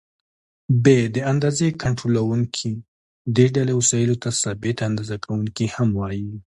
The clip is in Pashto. ب: د اندازې کنټرولوونکي: دې ډلې وسایلو ته ثابته اندازه کوونکي هم وایي.